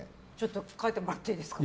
書いてもらってもいいですか？